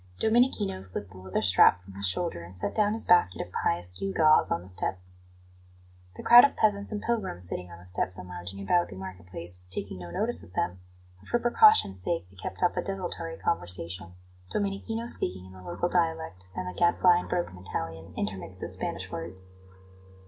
Domenichino slipped the leather strap from his shoulder, and set down his basket of pious gewgaws on the step. The crowd of peasants and pilgrims sitting on the steps and lounging about the market place was taking no notice of them, but for precaution's sake they kept up a desultory conversation, Domenichino speaking in the local dialect and the Gadfly in broken Italian, intermixed with Spanish words.